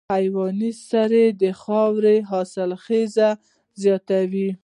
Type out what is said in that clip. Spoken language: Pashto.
حیواني سرې د خاورې حاصلخېزي زیاتوي.